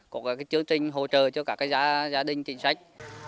có chương trình hỗ trợ cho các gia đình chính sách